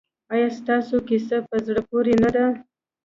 ایا ستاسو کیسې په زړه پورې نه دي؟